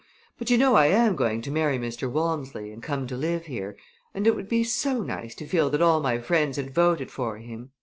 But you know I am going to marry Mr. Walmsley and come to live here, and it would be so nice to feel that all my friends had voted for him.